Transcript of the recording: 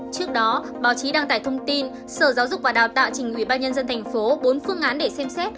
trước đó báo chí đăng tải thông tin sở giáo dục và đào tạo trình ủy ban nhân dân thành phố bốn phương án để xem xét